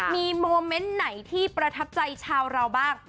มีโมเมนต์ไหนที่ประทับใจชาวเราบ้าง